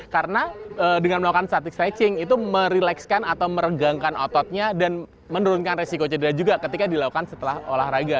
karena dengan melakukan static stretching itu merelakskan atau meregangkan ototnya dan menurunkan risiko cedera juga ketika dilakukan setelah berolahraga